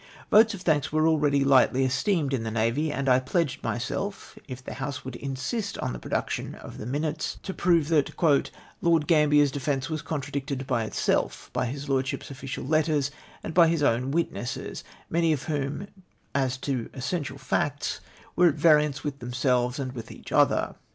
Votes of thanks were ah'eady lightly esteemed in the Navy, and I pledged myself — if the House w^ould insist on the pro duction of the minutes — to prove that " Lord Gambier's defence was contradicted by itself — by his lordship's official letters — and by his own witnesses ; many of whom, as to essential facts, were at variance with themselves and Avith each other."